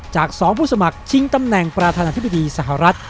จาก๒ผู้สมัครชิงตำแหน่งประธานาธิบดีสหรัฐ